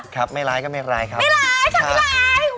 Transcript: ครับไม่ร้ายก็ไม่ร้ายครับไม่ร้ายค่ะไม่ร้าย